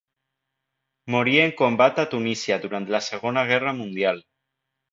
Morí en combat a Tunísia durant la Segona Guerra Mundial.